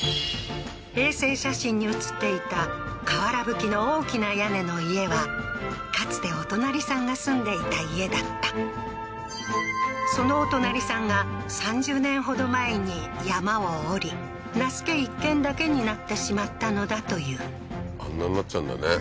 衛星写真に映っていた瓦ぶきの大きな屋根の家はかつてお隣さんが住んでいた家だったそのお隣さんが３０年ほど前に山を下り那須家１軒だけになってしまったのだというあんなになっちゃうんだね